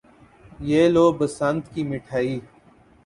یہ لو، بسنت کی مٹھائی۔